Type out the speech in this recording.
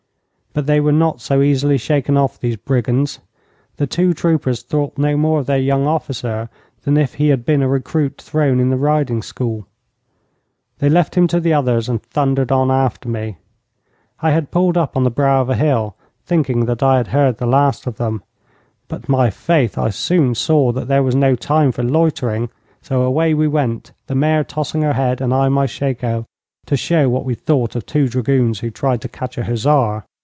But they were not so easily shaken off, these brigands. The two troopers thought no more of their young officer than if he had been a recruit thrown in the riding school. They left him to the others and thundered on after me. I had pulled up on the brow of a hill, thinking that I had heard the last of them; but, my faith, I soon saw there was no time for loitering, so away we went, the mare tossing her head and I my shako, to show what we thought of two dragoons who tried to catch a hussar.